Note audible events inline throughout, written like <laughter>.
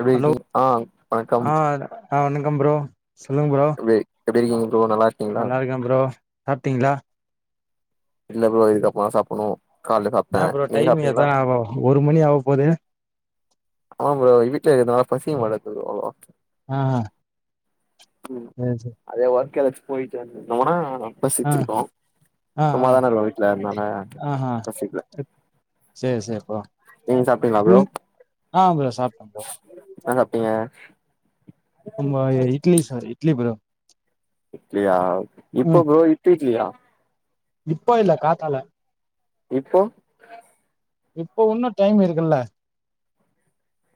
எப்டி ஹலோ இருக்கீங் ஆ வணக்கம் ஆ ஆ வணக்கம் ப்ரோ சொல்லுங் ப்ரோ ப்ரே எப்டி இருக்கீங்க ப்ரோ நல்லா இருக்கீங்களா நல்லாருக்கே ப்ரோ சாப்ட்டீங்ளா இல்ல ப்ரோ இதுக்கப்பறந்தா சாப்பட்ணு கால்ல சாப்ட்டே ஏ ப்ரோ நீங்க டைம் எதா சாப்ட்டீங்ளா ஒரு மணி ஆவ போது ஆமா ப்ரோ வீட்ல இருக்கற்த்னால பசிக்க மாட்டக்து ப்ரோ ம் ம் ம் என்னாச்சி அதே ஒர்க் எதாச்சி போய்ட்டு வந்தமன்னா ஆ பசிச்சிருக்கு ஆ ஆ சும்மாதான இருக்கோ வீட்ல அதுனால பசிக்ல சேர் சேர் ப்ரோ நீங் சாப்ட்டீங்ளா ப்ரோ ம் ஆ ப்ரோ சாப்ட்டே ப்ரோ என்ன சாப்ட்டீங்க நம்போ எ இட்லி சாரி இட்லி ப்ரோ இட்லியா இப்ப ம் ப்ரோ இப்ப இ்ட்லியா இப்ப இல்ல காத்தால இப்போ இப்ப உன்னு டைம் இருக்குல்ல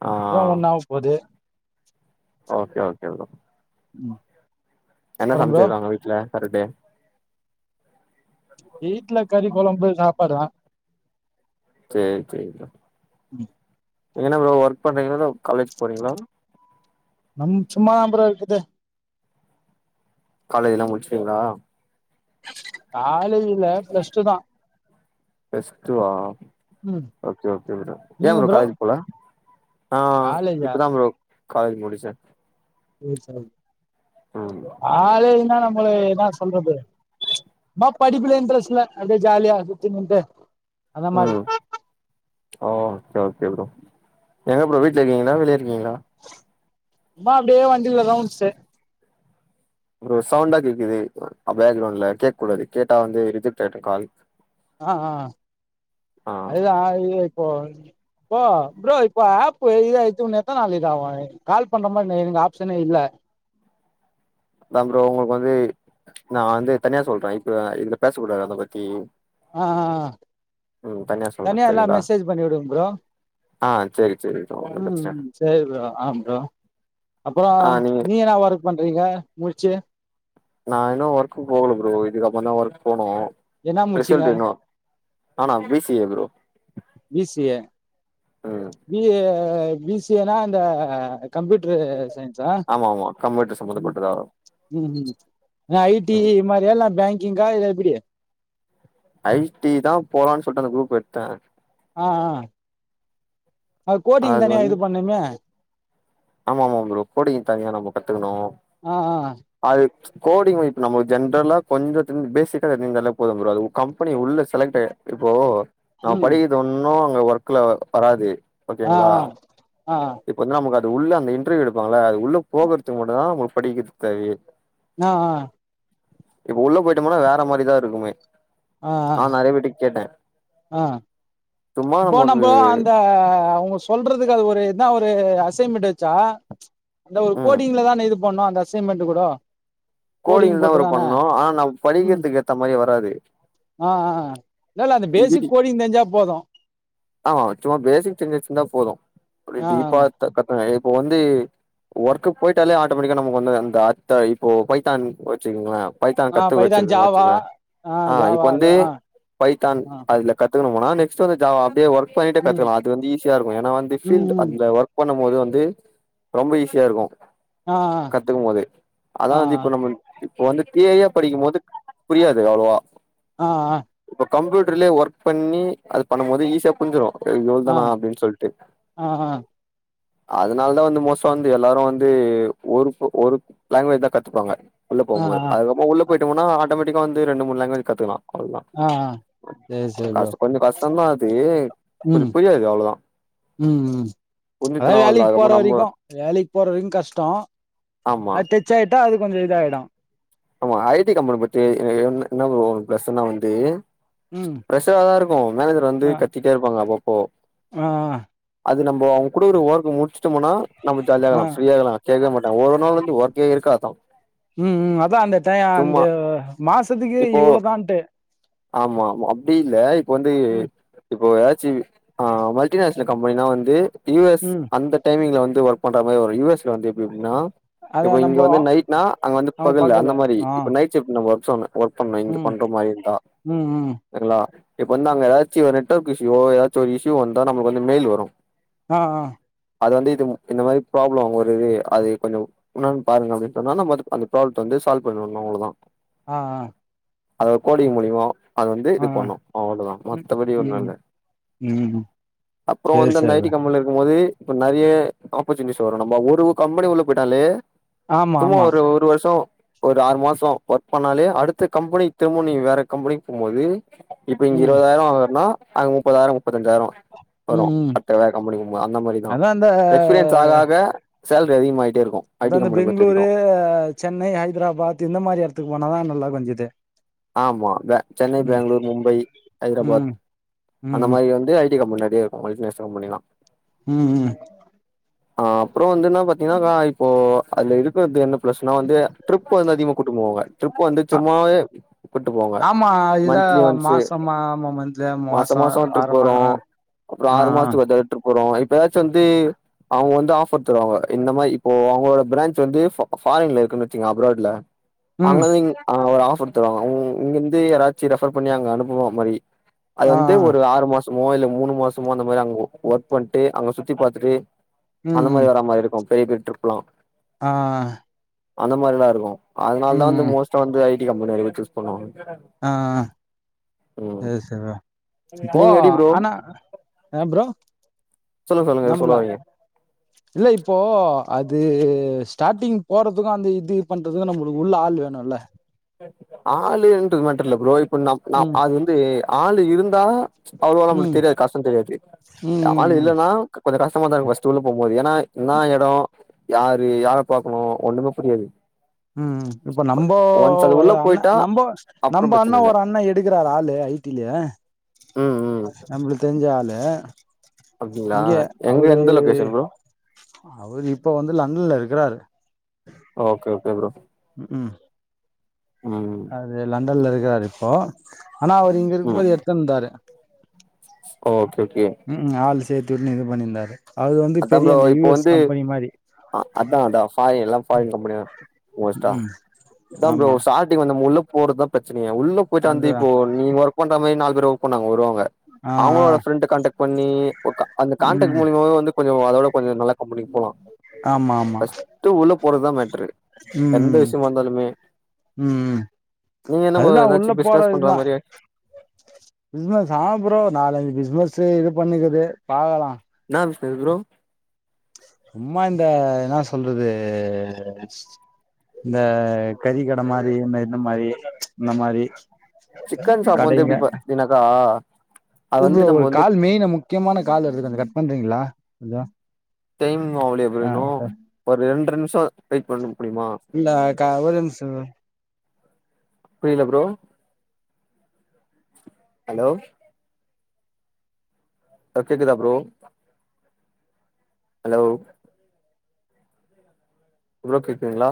ஆ இப்ப தா ஒன் ஆவ போது ஓகே ஓகே ப்ரோ ம் என்ன அப்றோ ப்ரோ சமச்சிருக்காங்க வீட்ல சாட்டர்டே வீட்ல கறி கொழம்பு சாப்பாடு தா சேர் சேரி ப்ரோ நீங்க என்ன ப்ரோ ஒர்க் பண்றீங்ளா இல்ல காலேஜ் போறீங்ளா நம் சும்மா தா ப்ரோ இருக்குது காலேஜ்லா முடிச்டீங்ளா காலேஜ் இல்ல பிளஸ் டூ தா பிளஸ் டூவா ம் ஓகே ஓகே ப்ரோ ஏ ப்ரோ காலேஜ் போல ஆ காலேஜா இப்பதா ப்ரோ காலேஜ் முடிச்சே சேர் சாரி ம் காலேஜ்னா நம்மளு என்னா சொல்றது சும்மா படிப்புல இன்ட்ரெஸ்ட்ல்ல அப்டியே ஜாலியா சுத்தினு இருந்துட்டு அந்த மாரி ஓ ஓகே ஓகே ப்ரோ எங்க ப்ரோ வீட்ல இருக்கீங்ளா வெளிய இருக்கீங்ளா சும்மா அப்டியே வண்டில்ல ரவுண்ட்ஸ்சு ப்ரோ சவுண்டா கேக்குது பேக்ரவுண்ட்ல கேக் கூடாது கேட்டா வந்து ரிஜெக்ட் ஆய்டு கால் ஆ ஆ ஆ அதுதா அதுக்கு தா இப்போ போ ப்ரோ இப்ப ஆப்பு இதாய்ட்டு உன்னு எத்தன் நாள்ல இது ஆவு கால் பண்ற மாரி என்க் எனக்கு ஆப்ஷனே இல்ல அதா ப்ரோ உங்களுக் வந்து நா வந்து தனியா சொல்றே இப்ப இதுல பேசக்கூடாது அத பத்தி ஆ ஆ ஆ ம் சொல்றே தனியா எல்லா சரிங்களா மெசேஜ் பண்ணிவுடுங் ப்ரோ ஆ செரி செரி தோழா ம் செரி ப்ரோ ஆ ப்ரோ அப்றோ ஆ நீங்க நீ என்னாவா இருக் பண்றீங்க முடிச்சு நா இன்னு ஒர்க்கு போல ப்ரோ இதுக்கு அப்றோ தா ஒர்க் போனு என்ன முடிச்சீங்க ரிசல்ட் இன்னு நானா B C A bro B C A ம் B A B C A னா இந்த கம்ப்யூட்ர் சயின்ஸா ஆமா ஆமா கம்ப்யூட்டர் ம் சம்பந்தப்பட்டதா ம் ம் இல்ல ஐ டி ம் மாரியா இல்ல பேங்கிங்கா இல்ல எப்டி ஐ டி தா போலான்னு சொல்ட்டு அந்த குரூப் எடுத்தே ஆ ஆ அது கோடிங் தனியா இது பண்ணமே ஆமாமா ப்ரோ கோடிங் தனியா நம்ம கத்துக்ணு ஆ ஆ அது கோடிங் இப்ப நம்மளுக்கு ஜென்ரலா கொஞ்சோ ஃபேசிக்கா தெரிஞ்சாலே போது ப்ரோ அது கம்பெனி உள்ள செலக்ட் இப்போ நம்ம ம் படிக்கிறது ஒன்னு அங்க ஒர்க்ல வராது ஆ ஓகேங்ளா ஆ வந்து நமக்கு அது உள்ள அந்த இன்டர்வியூ எடுப்பாங்கள்ள அது உள்ள போகுறதுக்கு மட்டுதா நம்மளுக்கு படிக்கிறது தேவையே ஆ ஆ இப்ப உள்ள போயிட்டோம்னா வேற மாரிதா இருக்குமே ஆ ஆ நெறையா பேர் கிட்ட கேட்டே ஆ சும்மா இப்போ நமக்கு நம்ம அந்த அவங்க சொல்றதுக்கு அது ஒரு இதா ஒரு அசைமெண்ட் வெச்சா அந்த ஒரு ம் கோடிங்ல தான இது பண்ணு அந்த அசைமெண்ட் கூட கோடிங் கோடிங்ல தா போட்டு ப்ரோ தான பண்ணு ஆனா நம்ம ம் படிக்கிறதுக்கு ஏத்த மாரி வராது ஆ ஆ இல்லல்ல அந்த பேசிக் கோடிங் தெரிஞ்சா போது ஆ சும்மா ஃபேசிக் தெரிஞ்சி வெச்சிருந்தா போது அப்டியே ஆ டீப்பா கத் இப்ப வந்து ஒர்க்கு போயிட்டாலே ஆட்டோமெட்டிக்கா நமக்கு வந்து அந்த <unintelligible> இப்போ பைத்தான் வெச்சுக்கங்ளே பைத்தான் ஆ கத்து பைதான் வெச்சிருக்க ஜாவா வெச்சுங்கங்களே ஆ இப்ப ஜாவா அது வந்து ஆ பைத்தான் ஆ அதுல கத்துக்கணும்னா நெக்ட்டு வந்து ஜாவா அடியே ஒர்க் பண்ணிட்டு ம் கத்துக்கலா அது வந்து ஈஸியா இரு ஏன்னா வந்து ம் ஃபீல்ட் ம் அந்த ஒர்க் பண்ணும் போது வந்து ரொம்ப ஈஸியா இருக்கு ஆ கத்துக்கும் போது அதா ஆ ஆ வந்து இப்ப நம்ம இப்ப வந்து தியரியா படிக்கும் போது புரியாது அவ்ளவா ஆ ஆ இப்ப கம்ப்யூட்டர்லயே ஒர்க் பண்ணி அது பண்ணும் போது ஈஸியா புரிஞ்சிரு இது ஆ இவ்ளோதானா அப்டின்னு சொல்ட்டு ஆ ஆ அதனால தா வந்து மோஸ்டா வந்து எல்லாரு வந்து ஒரு ஒரு லாங்குவேஜ் தா கத்துப்பாங்க உள்ள ஆ போம் போது ஆ அதுக்கப்றோ உள்ள போயிட்டோம்னா ஆட்டோமேட்டிக்காவே ரெண்டு மூணு லேங்குவேஜ் கத்துகலா அவ்ளோதா ஆ ஆ சரி சரி ப்ரோ கஷ்ட கொஞ்சோ கஷ்டோதா அது கொஞ்ச ம் புரியாது அவ்ளோதா ம் ம் அதா புரிஞ்சுச்சுனா அவ்ளோதா வேலைக்கு போற அதுக்கப்புறமா நம்ம வரைக்கு வேலைக்கு போற வரைக்கு கஷ்டோ ஆமா அது டச் ஆகிட்ட அது கொஞ்சோ இதாகிடு ஆமா ஐ டி கம்பெனி பத்தி என்ன ப்ரோ பிளஸ்ன வந்து ம் பிரஷரா தா இருக்கு மேனேஜர் வந்து கத்திட்டே இருப்பாங்க அப்பப்போ ஆ ஆ அது நம்போ அவுங்க குடுக்குற ஓர்க்கு முடுச்சுட்டோமுனா நம்ம ஜாலிய ஆ இருக்லா ஃப்ரீயா இருகலா கேக்கவே மாட்டா ஒரு நாள் வந்து ஒர்க்கே இருக்காதான் ம் ம் அதா அந்த டைய அந்த மாசத்துக்கு இப்போ இவ்ளதான்டு ஆமா ஆமா அப்டி இல்ல இப்ப வந்து ம் இப்ப எதாச்சு அ மல்டிநேஷனல் கம்பெனினா வந்து யூ எஸ் ம் அந்த டைமிங்ல வந்து ஒர்க் பண்ற மாரி வரு யூ எஸ் ல வந்து எப்ப எப்டினா அதா இப்ப இங்க நம்போ வந்து நைட்னா அங்க வந்து அவங்க பகலு பாக்கல அந்த மாரி ஆ இப்ப நைட் சிஃப்ட் நம்ம ஒர்க் பண்ணனு ஒர்க் பண்ணனு இங்க ம் பண்ற மாரி இருந்தா ம் ம் சரிங்களா இப்ப வந்து அங்க ஏதாச்சு ஒரு நெட்ஒர்க் இஷ்யுவோ ஏதாச்சு ஒரு இஷ்யூ வந்தா நமக்கு வந்து மெய்ல் வரு ஆ ஆ அது வந்து இது இந்த மாரி ப்ராப்ளம் ஒரு இது அது கொஞ்சம் என்னான் பாருங்க அப்டின் சொன்னாங்னா நம்ம அது அந்த ப்ராப்ளத்த வந்து சால் பண்ணிற்வாங்க அவ்ளதா ஆ ஆ அத கோடிங் மூலியமோ அத வந்து ஆ இது ஆ பண்ணு அவ்ளதா ம் மத்தபடி ஒன்னு இல்ல ம் ம் அப்பறோ சரி வந்து அந்த சரி ஐ டி ப்ரோ. கம்பனில இருக்கும்போது இப்ப நெறைய ஆப்பர்ச்சுனிட்டிஸ் வரு நம்ம ஒரு கம்பனி உள்ள போய்ட்டாலே ஆமா சும்மா ஆமா ஒரு ஒரு வர்ஷோ ஒரு ஆறு மாசோ ஒர்க் பண்ணாலே அடுத்த கம்பனி திரும்ப நீ வேற கம்பனிக் போம்போது இப்ப இங்க ம் இருவதாயிரோ வாங்கறனா அங்க முப்பதாயிரோ முப்பத்தஞ்சாயிரோ வரு ம் ம் அத்த வேற கம்பனிக்கு மா அந்த மாரிதா அதா எக்ஸ்பீரியன்ஸ் அந்த ஆக ஆக சேலரி அதிகமாய்டே இருக்கு ஐ அதா டி இந்த கம்பெனி பொறுத்த பெங்ளூரு வரைக்கு அ சென்னை ஹைராபாத் இந்த மாரி எடத்துக்கு போனாதா நல்லார்க்கு ரன்ஜித்து ஆமா வ சென்னை பேங்ளூர் மும்பை ஹைராபாத் ம் அந்த ம் மாரி வந்து ஐ டி கம்பனி நெறைய இருக்கு மவ்டிநேஷனல் கம்பனிலா ம் ம் அ அப்பறோ வந்து என்ன பாத்தீங்கனாக்கா இப்போ அதுல இருக்கறது என்ன பிளஸ்னா வந்து ட்ரிப் அதுல அதிகமா கூட்டு போவாங்க ட்ரிப் வந்து சும்மாவே கூட்டு போவாங்க ஆமா இதா மந்த்லி ஒன்ஸு மாசமா ஆமா மந்த்ல மாசோ ஆர மாத அ அப்பறோ ஆறு மாசத்துக்கு ஒர் தடவ ட்ரிப் வரு இப்பயாச்சு வந்து அவுங்க வந்து ஆஃபர் தருவாங்க இந்த மாரி இப்ப அவுங்களோட பிரான்ச் வந்து ஃபா ஃபாரின்ல இருக்குன் வச்சுக்கயே அப்ராட்ல ம் அங்கருந்து இங் அங்க ஒரு ஆஃபர் தருவாங்க அவுங் இங்க இருந்து யாராச்சு ரெஃபர் பண்ணி அங்க அனுப்புவோ மாரி அது ஆ வந்து ஆ ஒரு ஆறு மாசமோ இல்ல மூணு மாசமோ அந்த மாரி அங்க ஒர்க் பண்ணிட்டு அங்க சுத்தி பாத்துட்டு ம் அந்த மாரி ம் வரா மாரி இருக்கு பெரிய பெரிய ட்ரிப்லா ஆ ஆ அந்த மாரில்லா இருக்கு அதுனால தா ம் வந்து ம் மோஸ்ட்டா வந்து ஐ டி கம்பனிய நெறைய பேர் சூஸ் பண்ணுவாங்க ஆ ஆ ம் சேர் சர்ரா இப்போ நீங்க எப்டி ப்ரோ ஆனா அ ப்ரோ சொல்லுங்க சொல்லுங்க எதோ நம்பள சொல்ல வர்ரீங்க இல்ல இப்போ அது ஸ்டாட்டிங் போறதுக்கு அந்த இது பண்றது துக்கு நம்மளுக்கு உள்ள ஆள் வேணுல ஆளுன்றது மேட்டர் இல்ல ப்ரோ இப்ப நம் ந ம் அது வந்து ஆளு இருந்தா அவ்ளவா ம் நம்மளுக்கு தெரியாது கஷ்டொ தெரியாது ம் ம் ஆளு ம் இல்லனா கொஞ்சோ கஷ்டமா தா இருக்கு ஃபர்ஸ்ட் உள்ள போம் போது ஏனா ன்னா எடோ யாரு யார பாக்கணு ஒண்ணுமே புரியாது ம் இப்ப நம்போ ஒன்ஸ் அது அத உள்ள அண்ண போயிட்டா நம்போ அப்றோ நம்ப அண்ணா பிரச்சன இல்ல ஒரு அண்ணா எடுக்கறாரு ஆளு ஐ டி யிலே ம் ம் நம்பளுக்கு தெரிஞ்ச ஆளு அப்டிங்களா இங்க எங்க அவரு எந்த லொகேஷன் ப்ரோ அவரு இப்ப வந்து லண்டன்ல இருக்கிறாரு ஓகே ஓகே ப்ரோ ம்கும் ம் அது லண்டன்ல இருக்கிறாரு இப்போ ஆனா அவர் இங்க இருக்கும் ம் போது எடுத்துட்டு இருந்தாரு ஓகே ஓகே ம்கும் ஆள் சேத்து உடுனு இது பண்ணிருந்தாரு அதா ப்ரோ இப்போ வந்து அ அதா அதா சாரி எல்லா ஃபாரின் கம்பனி தா மோஸ்டா ம் அதா ப்ரோ ஆமா ச டி வந்து நம்ம உள்ள போறதா பிரச்சனைய உள்ள போயிட்டு வந்து அதுதா இப்போ நீங்க ஒர்க் பண்ற மாரி நாலு பேர் ஒர்க் பண்ண அங்க வருவாங்க ஆ ஆ வ அவங்களோட ஃபிரெண்ட கான்டாக்ட் பண்ணி ஒருக்க அந்த கான்டாக்ட் ம் மூலியமாவே வந்து கொஞ்ச அதோட கொஞ்ச நல்லா ஆமா ஆமா ஃபஸ்ட் உள்ள போறதுதா மேட்டரு ம் எந்த ம் விஷயமா இருந்தாலுமே ம் நீங்க என்ன ப்ரோ அதுதா உள்ள ஏதாச்சும் பிசினஸ் பண்ற மாரியா பிஸினஸ் ஆ ப்ரோ நாலஞ்சு பிஸினஸ் இது பண்ணிக்குது பாக்கலா ன்னா பிஸினஸ் ப்ரோ சும்மா இந்த என்னா சொல்றது இந்த கறி கடை மாரி இந்த என்ன மாரி இந்த மாரி சிக்கன் ஷாப் வந்து கடைங்க எப்டி பாத்தீனாக்கா அது வந்து இப்ப நம்ம ஒரு வந்து கால் மெய்னா முக் கியமான கால் வருது கொஞ்சோ கட் பண்ணுறீங்களா கொஞ்சோ <unintelligible> ஆ இன்னு ஒரு ரெண்டற நிமிஷோ வெய்ட் பண்ண முடியுமா இல்ல ஒரு நிமிஷோ புரியல ப்ரோ ஹலோ ஹலோ கேக்குதா ப்ரோ ஹலோ ப்ரோ கேக்குதுங்களா